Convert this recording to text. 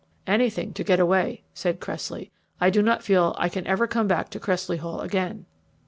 "Anything to get away," said Cressley. "I do not feel that I can ever come back to Cressley Hall again."